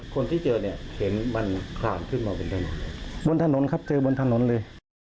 คนที่เจอเนี่ยเห็นมันคลานขึ้นมาบนถนนบนถนนครับเจอบนถนนเลย